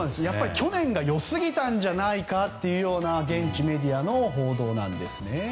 やっぱり去年が良すぎたんじゃないかというような現地メディアの報道なんですね。